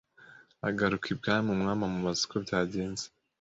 agaruka ibwami umwami amubaza uko byagenze